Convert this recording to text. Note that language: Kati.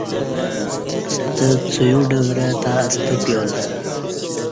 ستہ څویوڈورہ تہ ستہ پیال